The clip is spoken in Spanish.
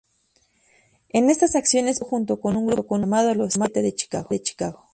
En estas acciones participó junto con un grupo llamado los Siete de Chicago.